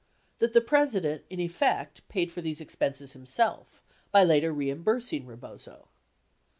That, the President in effect paid for these expenses himself by later reimbursm.o Rebozo.